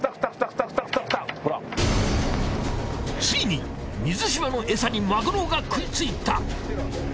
ついに水嶋のエサにマグロが喰いついた！